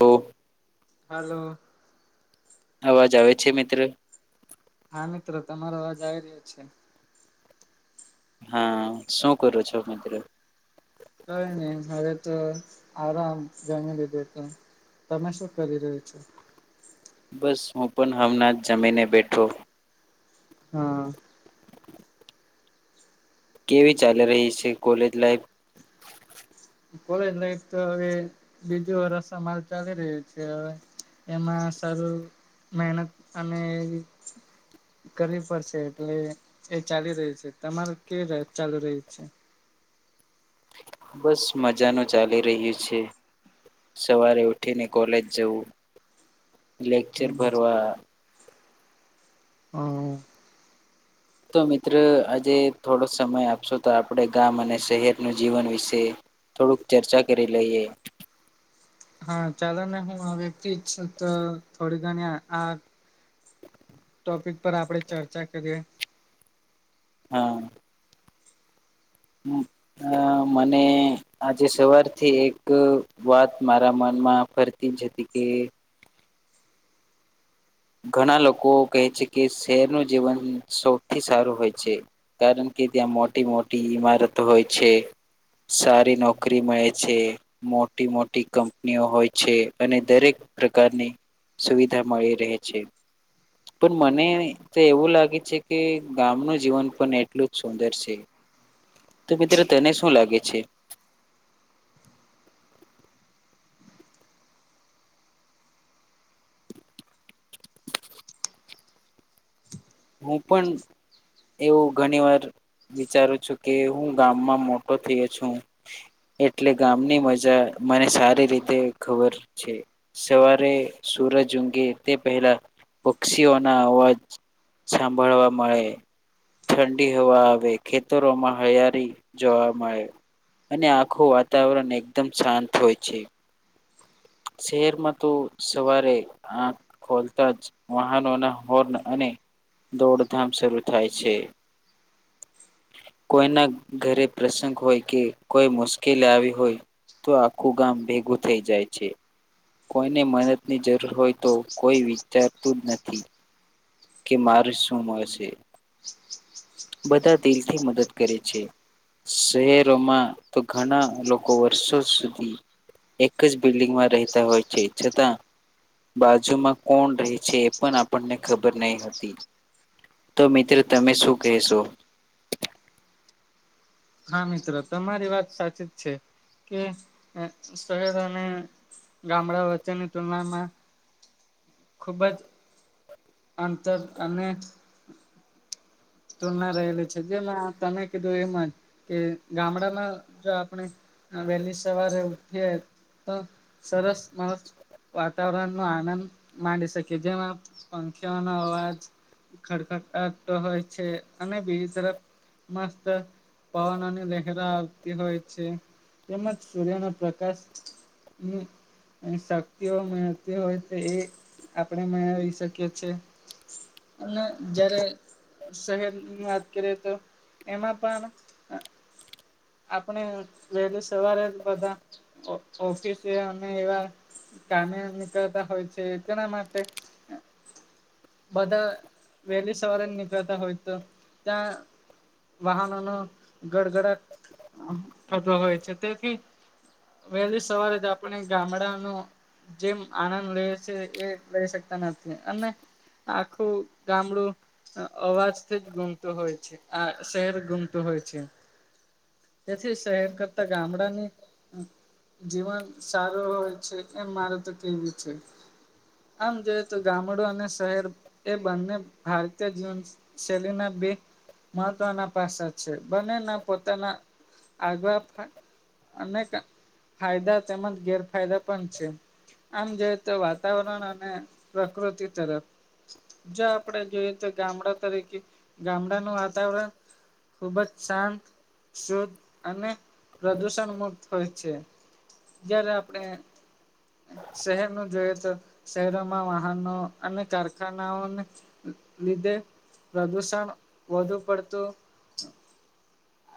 તો હાલો અવાજ આવે છે મિત્ર હા મિત્રો તમારો અવાજ આવી રહ્યો છે હા શું કરો છો મિત્ર કઈ નહી હવે તો આરામ જમી લિધુ તે તમે શું કરી રહ્યો છો બસ હું પણ હમણાં જ જમીને બેઠો હા કેવી ચાલી રહી છે કોલેજ લાઈફ કોલેજ લાઈક તો હવે બીજું રસ્ માલ ચાલી રહ્યું છે હવે એમાં સારું મહેનત અને કરવી પડશે એટલે એ ચાલી રહ્યું છે તમારે કેવી ચાલી રહી છે બસ મજા નુ ચાલી રહ્યું છે સવારે ઉઠીને કોલેજ જવું લેક્ચર હમ ભરવા હમ તો મિત્ર આજે થોડો સમય આપશો તો આપણે ગામ અને શહેરનું જીવન વિશે થોડુંક ચર્ચા કરી લઈએ હા ચાલો ને હું આ વ્યક્તિ ઈચ્છું તો થોડી ઘણી આ ટોપિક પર આપડે ચર્ચા કરીએ હા મને આજે સવારથી એક વાત મારા મનમાં ફરતી જ હતી કે ઘણા લોકો કહે છે કે શહેરનું જીવન સૌથી સારું હોય છે કારણ કે કે ત્યાં મોટી મોટી ઈમારત હોય છે સારી નોકરી મળે છે મોટી મોટી કંપનીઓ હોય છે અને દરેક પ્રકારની સુવિધા મળી રહે છે પણ મને તો એવું લાગે છે કે ગામનું જીવન પણ એટલું જ સુંદર છે તો મિત્રો તને શું લાગે છે હું પણ એવું ઘણી વાર વિચારું છું કે હું ગામમાં મોટો થયો છું એટલે ગામની મજા મને સારી રીતે ખબર છે સવારે સર જો તે પહેલા પક્ષીઓના અવાજ સાંભળવા મળે ઠંડી હવા આવે ખેતરોમાં હયાારી જોવા મળે અને આખું વાતાવરણ એકદમ શાંત હોય છે શહેરમાં તો સવારે આખ ખોલતા જ વાહનો ના હોર્ન અને દોડધામ શરૂ થાય છે કોઈના ઘરે પ્રસંગ હોય કે કોઈ મુશ્કેલી આવી હોય તો આખું ગામ ભેગું થઈ જાય છે. કોઈને મદદની જરૂર હોય તો કોઈ વિચારતું જ નથી. કે મારે શું મળશે. બધા દિલથી મદદ કરે છે. શહેરોમાં તો ઘણા લોકો વર્ષો સુધી. એક જ બિલ્ડિંગમાં રહેતા હોય છે, છતાં. બાજુમાં કોણ રહે છે, એ પણ આપણને ખબર નહી હતી. તો મિત્ર તમે શું કહેશો. હા મિત્રો તમારી વાત સાચી જ છે, કે શહેરોને. ગામડા વચ્ચેની તુલનામાં ખુબ જ અંતર અને તુલના રહેલી છે જેમાં તમે કીધું એમાં જ કે ગામડામાં આપ વહેલી સવારે ઉઠીએ તો સરસ માણ વાતાવરણ નો આનંદ માંડી શકે જેમાં પંખીઓનો અવાજ ખરખડ તો હોય છે અને બીજી તરફ મસ્ત પવન અને લહેરો આરતી હોય છે તેમજ સૂર્યના પ્રકાશ શક્તિઓ મેડતી હોય તો એ આપણે મેળવી શકીએ છેીએ અને જ્યારે. શહેરની વાત કરીએ તો એમાં પણ. આપણે વહેલી સવારે જ બધા ઓફિસે અમે એવા. કામે નીકળતા હોય છે, તેના માટે. બધા વહેલી સવારે નીકળતા હોય તો ત્યાં. વાહનો ન ગડગડાટ થતો હોય છે, તેથી. વહેલી સવારે જ આપણે ગામડાનું. જેમ આનંદ લે છે, એ લઈ શકતા નથી અને. આખું ગામડું. અવાજથી જ ગુમતો હોય છે, આ શહેર ગુમતું હોય છે. તેથી શહેર કરતા ગામડાની. જીવન સારું હોય છે, એમ મારે તો કેવું છે. આમ જોય તો ગામડું અને શહેર એ બંને ભારતીય જીવન શૈલીના. બે મહત્વના પાસા છે, બનેના પોતાના આગવા. અનેક ફાયદા તેમજ ગેરફાયદા પણ છે. આમ જોઈ તો વાતાવરણ અને પ્રકૃતિ તરફ. જો આપણેે જોઈએ તો ગામડા તરીકે ગામડાનું વાતાવરણ. ખૂબ જ શાંત શુદ્ધ અને પ્રદુષણ મુક્ત હોય છે. જયારે આપણેે. શહેર નું જોઈએ તો શહેરોમાં વાહનો અને કારખાનાઓને. લીધે પ્રદુષણ વધુ પડતું.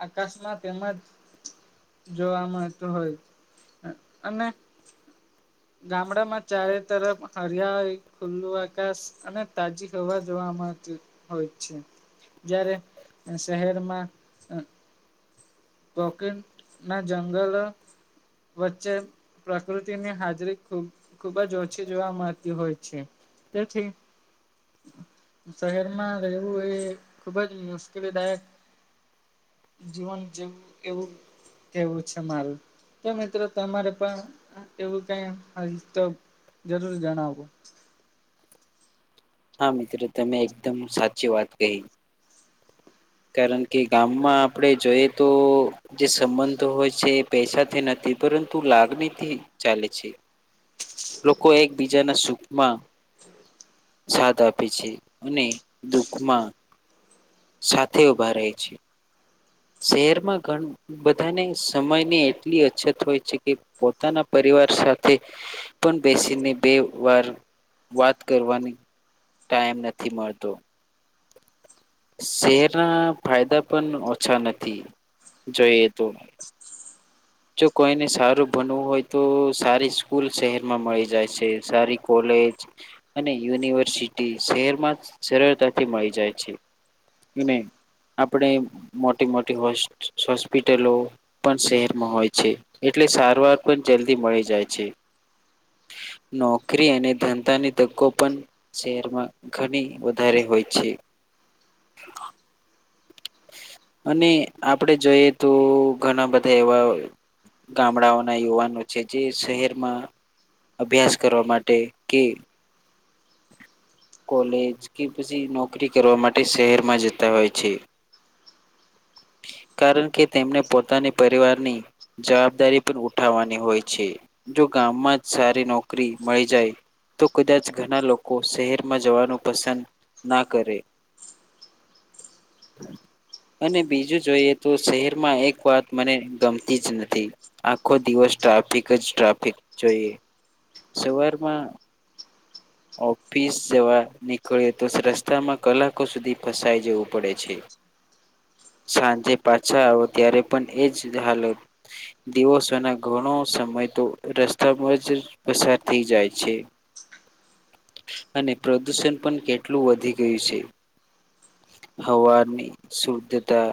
આકાશમાં [unintelligible] જોવા મળતો હોય છે, અને. ગામડામાં ચારે તરફ હરિયાળ ખુલ્લું આકાશ અને તાજી હવા જોવા [unintelligible] હોય છે, જ્યારે શહેરમાં. કોકન ના જંગલ. વચ્ચે પ્રકૃતિની હા. [unintelligible] ખૂબ જ ઓછી જોવા મળતી હોય છે, તેથી. શહેરમાં રહેવું એ ખુબ જ મુશ્કેલીદાયક. જીવન જેવ એવું. કેવું છે મારું તો મિત્રો તમારે પણ એવું ક હ તો જરૂર જણાવો હા મિત્રો તમે એકદમ સાચી વાત કહી. કારણ કે ગામમાં આપણેે જોઈએ તો જે સંબંધો હોય છે પૈસાથી નથી પરંતુ લાગણીથી ચાલે છે. લોકો એકબીજાના સુખમાં સાથ આપે છે અને દુખમાં સાથે ઉભા રહે છે. શહેરમાં ઘ બધાને સમય ની એટલી અછત હોય છે કે પોતાના પરિવાર સાથે પણ બેસીને બે વાર વાત કરવાની ટાઈમ નથી મળતો શેરના ફાયદા પણ ઓછા નથી. જોઈએ [unintelligible] જો કોઈને સારું ભનવું હોય તો સારી સ્કૂલ શહેરમાં મળી જાય છે, સારી કોલે લે અને યુનિવર્સિટી શહેરમાં સરળતાથી મળી જાય છે. આપણે મોટી મોટી હો હોસ્પિટલો પણ શહેર. હોય છે, એટલે સારવાર પણ જલ્દી મળી જાય છે. નોકરી અને ધંધાની તકો પણ શહેરમાં ઘણી વધારે. હોય છે. અને આપડે જોઈએ તો ઘણા બધા એવા. ગામડાઓના યુવાનો છે, જે શહેરમાં. અભ્યાસ કરવા માટે કે. કોલેજ કે પછી નોકરી કરવા માટે શહેરમાં જતા હોય છે. [inaudible] કારણ કે તેમને પોતાની પરિવારની જવાબદારી પણ ઉઠાવવાની હોય છે. ગામમાં જ સારી નોકરી મળી જાય તો કદાચ ઘણા લોકો શહેરમાં જવાનું પસંદ ના કરે. [inaudible] અને બીજું જોઈએ તો શહેરમાં એક વાત મને ગમતી જ નથી આખો દિવસ એક જ ટ્રાફિક જોઈએ સવારમાં ઓફિસ જવા નીકળ્યો તો રસ્તામાં કલાકો સુધી ફસાઈ જવું પડે છે. [inaudible] સાંજે પાછા આવો ત્યારે પણ એજ હાલત દિવસોના ઘણો સમય તો રસ્તામાં જ પસાર થઈ જાય છે. અને પ્રદૂષણ પણ કેટલું વધી ગયું છે. હવાની શુદ્ધતા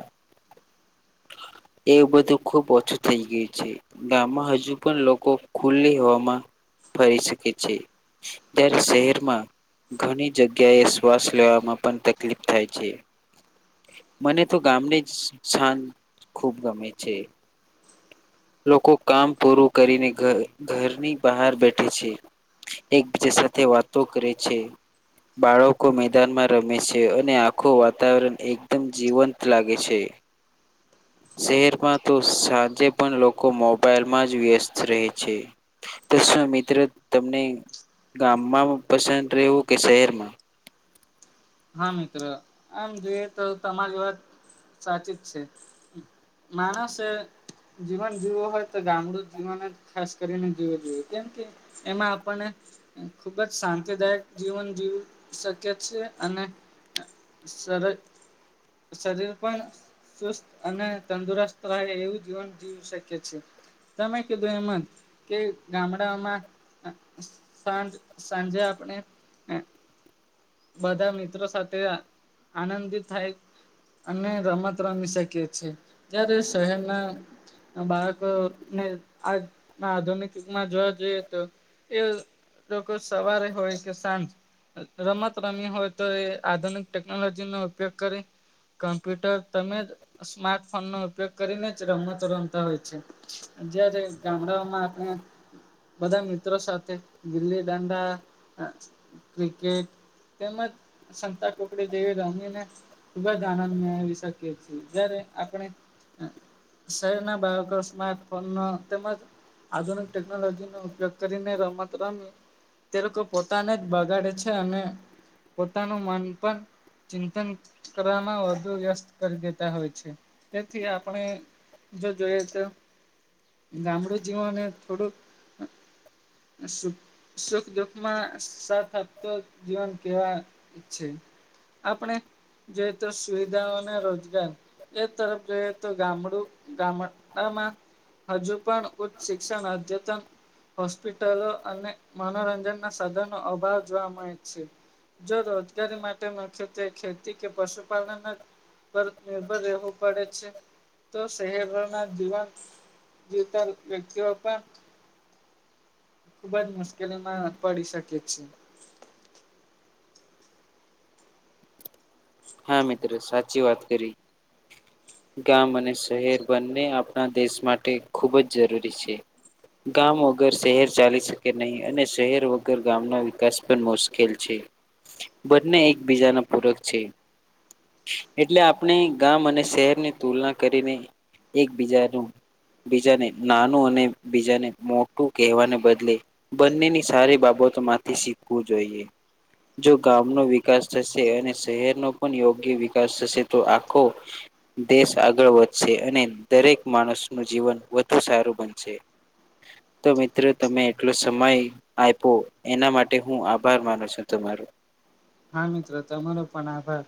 [inaudible] એું બધું ખુબ ઓછું થઈ ગયું છે. ગામમાં હજુ પણ લોકો ખુલ્લી હવામાં ફરી શકે છે જ્યારે શહેરમાં ઘણી જગ્યાએ શ્વાસ લેવામાં પણ તકલીફ થાય છે. મને તો ગામને જ સ્થાન ખૂબ ગમે છે. લોકો કામ પૂરું કરીને ઘરની બહાર બેઠે છે. એકબીજા સાથે વાતો કરે છે બાળકો મેદાનમાં રમે છે અને આખું વાતાવરણ એકદમ જીવંત લાગે છે [inaudible] શહેરમાં તો સાંજે પણ લોકો મોબાઈલમાં જ વ્યસ્ત રહે છે. તો શું મિત્રો તમને ગામમાં પસંદ રહેવું કે શહેરમાં [inaudible] હા મિત્ર આમ જોઈએ તો તમારી વાત સાચી જ છે માણસ જીવન જીવવું હોય તો ગામડું જીવન જ ખાસ કરીને જીવો જોઈએ કેમ કે એમાં આપણને ખુબ જ શાંતિદાયક જીવન જીવું શક્ય છે અને શરીર પણ સુસ્ત અને તંદુરસ્ત રહે એવું જીવન જીવી શકીએ છીએ તમે કીધું એમ જ કે ગામડાઓમાં સાંજે આપણે બધા મિત્રો સાથે આનંદિત થાય અને રમત રમી શકી છીએ જ્યારે શહેરના બાળકો આજ આધુનિક યુગમાં જોવા જઈએ તો એ લોકો સવારે હોય કે સાંજ રમત રમવી હોય તો એ આધુનિક ટેકનોલોજી નો ઉપયોગ કરી કમ્પ્યુટર તેમજ સ્માર્ટફોનનો ઉપયોગ કરીને જ રમત રમતા હોય છે. જયારે ગામડાઓમાં આપણે બધા મિત્રો સાથે ગિલ્લી દંડા ક્રિકેટ તેમજ સંતા કુકડી જેવી રમીને ખૂબ જ આનંદ મેળવી શકીએ છીએ જ્યારે આપણે શહેરના બાળકો સ્માર્ટફોન નો તેમજ આધુનિક ટેકનોલોજીનો ઉપયોગ કરીને રમત રમી તે લોકો પોતાને જ બગાડે છે અને પોતાનું મન પણ ચિંતન કરવામાં વધુ વ્યસ્ત કરી દેતા હોય છે તેથી આપણે જો જોઈએ તો ગામડું જીવનને થોડુંક સુખ દુખ માં સાથ આપતો જીવન કેવાય છે આપણે જોઈ તો સુવિધા અને રોજગાર એ તરફ જોઈએ તો ગામડું મા હજુ પણ ઉચ્ચ શિક્ષણ અદ્યતન હોસ્પિટલો અને મનોરંજન ના સાધનો અભાવ જોવા મળે છે જો રોજગારી માટે મુખ્યત્વે ખેતી કે પશુપાલન પર નિર્ભર રહેવું પડે છે તો શહેરોના દીવાન વ્યક્તિઓ પણ ખુબ જ મુશ્કેલીમાં પડી શકે છે હા મિત્રો સાચી વાત કરી ગામ અને શહેર બંને આપણા દેશ માટે ખૂબ જ જરૂરી છે ગામ વગર શહેર ચાલી શકે નહીં અને શહેર વગર ગામના વિકાસ પણ મુશ્કેલ છે બંને એકબીજાના પૂરક છે એટલે આપણે ગામ અને શહેરની તુલના કરીને એકબીજાનું બીજાને નાનું અને બીજાને મોટું કહેવાને બદલે બંનેની સારી બાબત માંથી શીખવું જોઈએ જો ગામનો વિકાસ થશે અને શહેરનો યોગ્ય વિકાસ થશે તો આખો દેશ આગળ વધશે અને દરેક માણસ નું જીવન વધુ સારું બનશે તો મિત્રો તમે એટલો સમય આયપો એના માટે હું આભાર માનું છું તમારો હ હા મિત્રો તમારો પણ આભાર